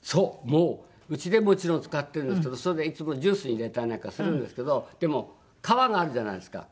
もううちでもちろん使ってるんですけどそれでいつもジュースに入れたりなんかするんですけどでも皮があるじゃないですか。